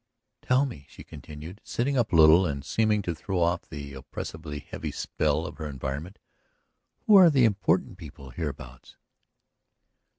"Tell me," she continued, sitting up a little and seeming to throw off the oppressively heavy spell of her environment, "who are the important people hereabouts?"